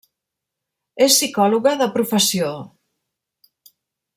És psicòloga de professió.